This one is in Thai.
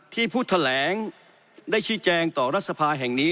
ผู้แถลงได้ชี้แจงต่อรัฐสภาแห่งนี้